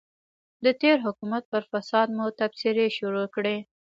د تېر حکومت پر فساد مو تبصرې شروع کړې.